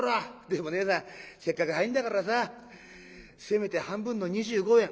でもねえさんせっかく入んだからさせめて半分の二十五円」。